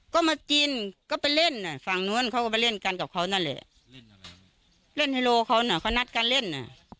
ก็มากินก็ไปเล่นอ่ะฝั่งนู้นเขาก็ไปเล่นกันกับเขานั่นแหละเล่นอะไรเล่นไฮโลเขาน่ะเขานัดการเล่นน่ะ